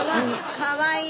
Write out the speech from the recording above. かわいい！